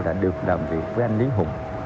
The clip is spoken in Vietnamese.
đã được làm việc với anh lý hùng